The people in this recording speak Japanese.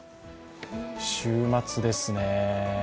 週末ですねえ。